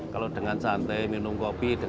kalau dengan santai minum kopi